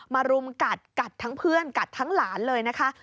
มารุมกัดทั้งเพื่อนกัดทั้งหลานเลยนะคะ